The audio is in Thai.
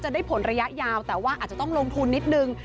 ได้ผลระยะยาวแต่ว่าอาจจะต้องลงทุนนิดนึง